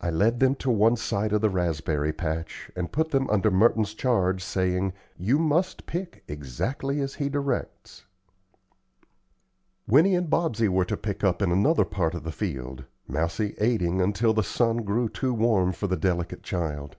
I led them to one side of the raspberry patch and put them under Merton's charge saying, "You must pick exactly as he directs." Winnie and Bobsey were to pick in another part of the field, Mousie aiding until the sun grew too warm for the delicate child.